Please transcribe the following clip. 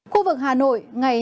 khu vực hà nội